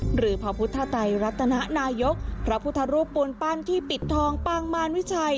หรือพระพุทธไตรรัตนนายกพระพุทธรูปปูนปั้นที่ปิดทองปางมารวิชัย